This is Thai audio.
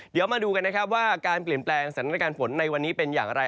เดี๋ยวมาดูกันนะครับว่าการเปลี่ยนแปลงสถานการณ์ฝนในวันนี้เป็นอย่างไร